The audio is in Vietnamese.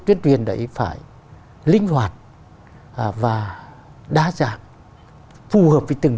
tuyên truyền đấy phải linh hoạt và đa dạng phù hợp với từng